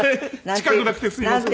近くなくてすいません。